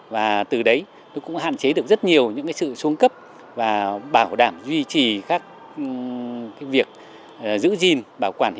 và từ đấy nó cũng hạn chế được rất nhiều những sự xuống cấp và bảo đảm duy trì các việc giữ gìn bảo quản